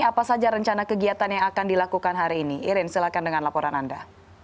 apa saja rencana kegiatan yang akan dilakukan hari ini irin silahkan dengan laporan anda